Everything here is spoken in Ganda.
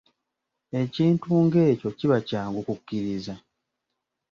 Ekintu ng'ekyo kiba kyangu kukkiriza.